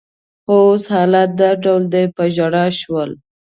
خو اوس حالت دا ډول دی، په ژړا شول.